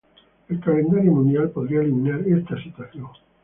El Calendario Mundial podría eliminar esta situación.